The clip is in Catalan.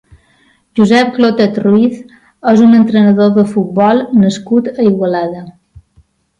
Josep Clotet Ruiz és un entrenador de futbol nascut a Igualada.